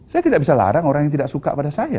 saya tidak bisa larang orang yang tidak suka pada saya